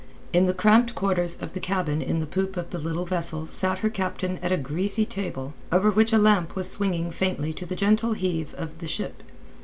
In the cramped quarters of the cabin in the poop of the little vessel sat her captain at a greasy table, over which a lamp was swinging faintly to the gentle heave of the ship.